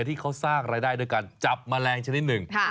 ที่เขาสร้างรายได้ด้วยการจับแมลงชนิดหนึ่ง